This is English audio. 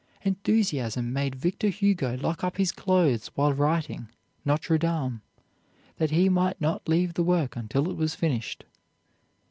Enthusiasm made Victor Hugo lock up his clothes while writing "Notre Dame," that he might not leave the work until it was finished.